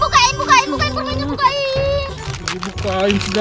bukain bukain bukain bukain permennya bukain